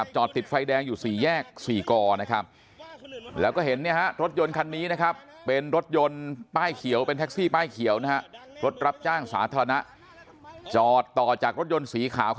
จอดติดไฟแดงอยู่สี่แยกสี่กอ